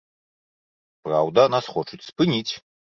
Праўда, нас хочуць спыніць.